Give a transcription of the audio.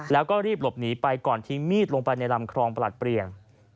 แล้วก็รีบหลบหนีไปก่อนทิ้งมีดลงไปในลำคลองประหลัดเปลี่ยน